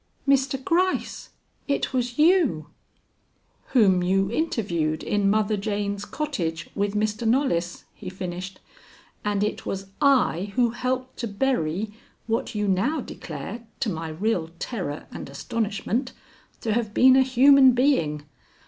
"Mr. Gryce, it was you " "Whom you interviewed in Mother Jane's cottage with Mr. Knollys," he finished. "And it was I who helped to bury what you now declare, to my real terror and astonishment, to have been a human being.